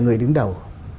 người đứng đầu